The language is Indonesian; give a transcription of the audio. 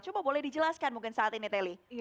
coba boleh dijelaskan mungkin saat ini teli